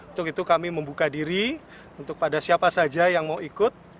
untuk itu kami membuka diri untuk pada siapa saja yang mau ikut